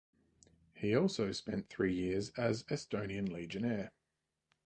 He also spent three years as Estonian legionnaire.